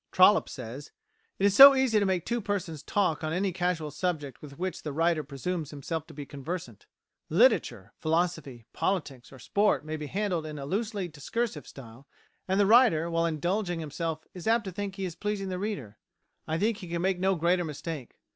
Trollope says, "It is so easy to make two persons talk on any casual subject with which the writer presumes himself to be conversant! Literature, philosophy, politics, or sport may be handled in a loosely discursive style; and the writer, while indulging himself, is apt to think he is pleasing the reader. I think he can make no greater mistake.